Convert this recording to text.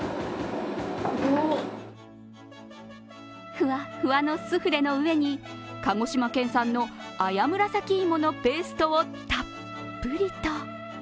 ふわふわのスフレの上に鹿児島県産の綾紫芋のペーストをたっぷりと。